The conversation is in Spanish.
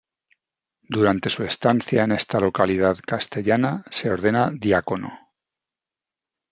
Durante su estancia en esta localidad castellana se ordena diácono.